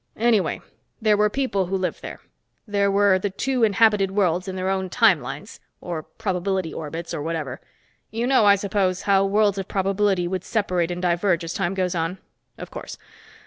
"Anyway, there were people who lived there. There were the two inhabited worlds in their own time lines, or probability orbits, or whatever. You know, I suppose, how worlds of probability would separate and diverge as time goes on? Of course.